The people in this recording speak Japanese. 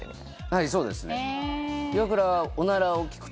はいそうですね